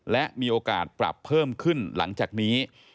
และมีโอกาสปรับเพิ่มขึ้นหลังจากนี้